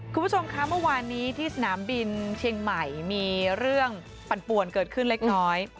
คุณผู้ชมคะเมื่อวานนี้ที่สนามบินเชียงใหม่มีเรื่องปั่นปวนเกิดขึ้นเล็กน้อย